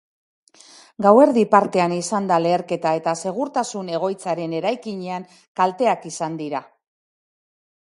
Gauerdi partea izan da leherketa eta segurtasun egoitzaren eraikinean kalteak izan dira.